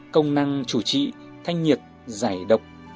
công năng chủ trị thanh nhiệt giải độc